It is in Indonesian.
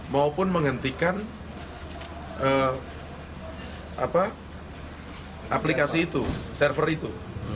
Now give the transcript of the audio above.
maupun menghentikan aplikasi itu server itu